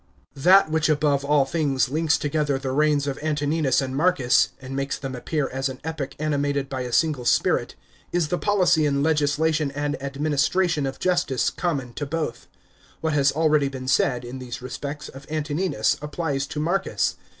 § 7. That which above all things links together the reigns of Antoninus and Marcus, and makes them appear as an epoch ani mated by a single spirit, is the policy in legislation and administration of justice common to both. What has already been said, in these respects, of Antoninus applies to Marcus.